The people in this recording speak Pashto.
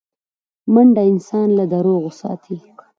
منډه انسان له دروغو ساتي